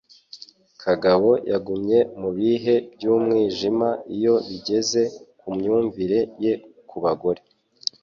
Kagabo yagumye mubihe byumwijima iyo bigeze kumyumvire ye kubagore